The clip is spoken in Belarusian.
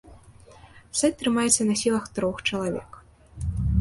Сайт трымаецца на сілах трох чалавек.